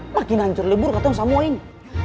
makin hancur lebur katong samuel ini